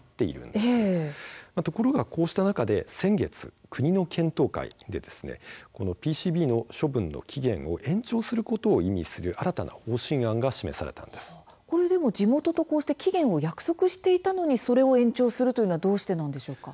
ところがこうした中で先月国の検討会でこのＰＣＢの処分の期限を延長することを意味する地元とこうして期限を約束していたのにそれを延長するというのはどうしてなんでしょうか。